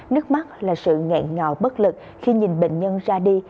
nước mắt là sự ngẹn ngào bất lực khi nhìn bệnh nhân ra đi